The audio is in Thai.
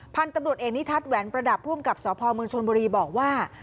พันธุ์ตำรวจเอกนิทัศน์แหวนประดับภูมิกับสพเมืองชนบุรีบอกว่า